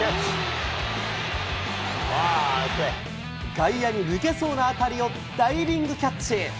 外野に抜けそうな当たりをダイビングキャッチ。